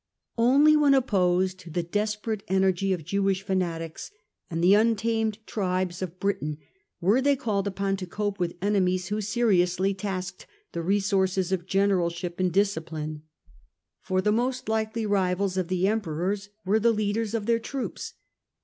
Only when opposed to the desperate energy of Jewish fanatics and the untamed tribes of Britahi were they called upon to cope with enemies who seriously tasked the resources of generalship and discipline. For the most likely rivals of the Emperors were the leaders of their troops.